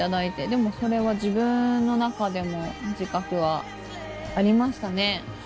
でもそれは自分の中でも自覚はありましたね。